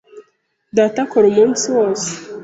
Data akora umunsi wose.